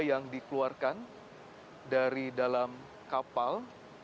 yang dikeluarkan dari dalam kapal